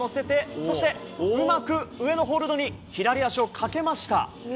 そして、うまく上のホールドに足をかけました。